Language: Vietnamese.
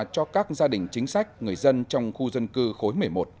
cho các gia đình chính sách người dân trong khu dân cư khối một mươi một